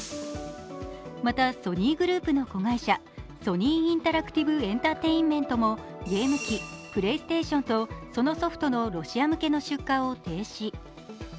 またソニーグループの子会社ソニー・インタラクティブエンタテインメントもゲーム機、プレイステーションとそのソフトのロシア向けの出荷を停止。